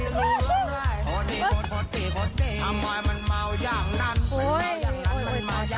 เมื่อกลับไปกินก็เทียบอะนี่